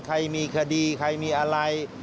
ใครมีคดีใครมีอะไร